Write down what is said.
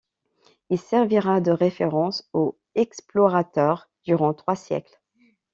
Il servira de référence aux explorateurs durant trois siècles.